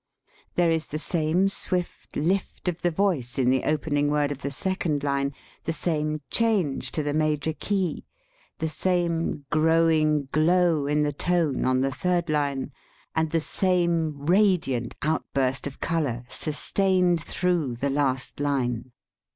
There is the same swift lift of the voice in the opening word of the second line, the same change to the major key, the same growing glow in the tone on the third line, and the same radiant outburst of color sustained through the last line.